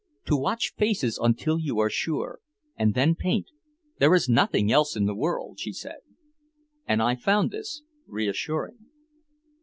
"To watch faces until you are sure and then paint! There is nothing else in the world!" she said. And I found this reassuring.